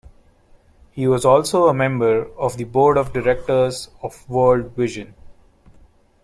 He was also a member of the board of directors of World Vision.